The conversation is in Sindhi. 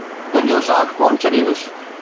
تنهنجو ساٿ ڪونہ ڇڏيندس.